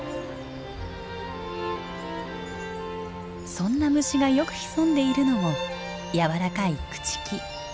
そんな虫がよく潜んでいるのも軟らかい朽ち木。